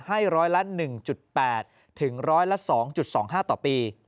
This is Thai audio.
ให้ร้อยละ๑๘ถึงร้อยละ๒๒๕ต่อปี